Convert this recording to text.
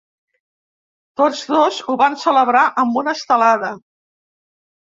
Tots dos ho van celebrar amb una estelada.